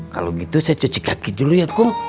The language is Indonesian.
kalau gitu saya cuci kaki dulu ya kum